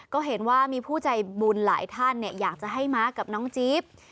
ก็เห็นว่ามีผู้ใจบุญหลายท่านอยากจะให้ม้ากับน้องจี๊บ